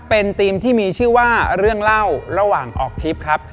เป็นทีมที่มีชื่อว่าเรื่องเล่าระหว่างออกทริปครับ